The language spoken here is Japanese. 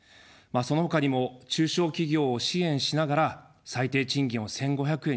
そのほかにも中小企業を支援しながら、最低賃金を１５００円に引き上げていく。